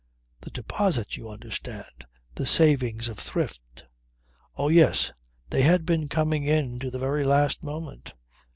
The deposits you understand the savings of Thrift. Oh yes they had been coming in to the very last moment.